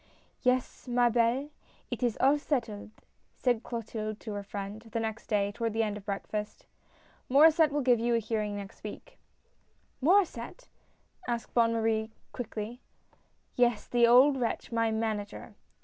" Yes, ma helle^ it is all settled," said Clotilde to her SIGNING THE CONTRACT. 93 friend, the next day, toward the end of breakfast. " Maur^sset will give you a hearing next week." " Maur^sset ?" asked Bonne Marie, quickly. " Yes, the old wretch, my Manager